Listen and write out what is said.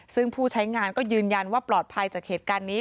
ซึ่งผู้ใช้งานก็ยืนยันว่าปลอดภัยจากเหตุการณ์นี้